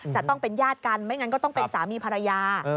จะต้องเป็นญาติกันไม่งั้นก็ต้องเป็นสามีภรรยา